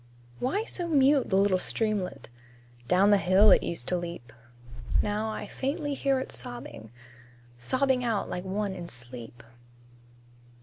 Why so mute the little streamlet? Down the hill it used to leap; Now I faintly hear it sobbing Sobbing out like one in sleep.